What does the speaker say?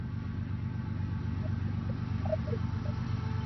En su valle hay algún dolmen.